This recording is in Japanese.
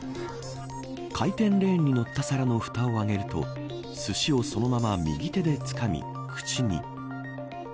回転レーンに乗った皿のふたを上げるとすしをそのまま右手でつかみ口に。